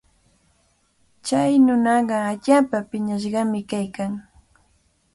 Chay nunaqa allaapa piñashqami kaykan.